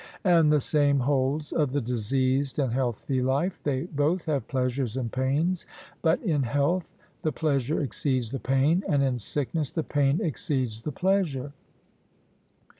And the same holds of the diseased and healthy life; they both have pleasures and pains, but in health the pleasure exceeds the pain, and in sickness the pain exceeds the pleasure.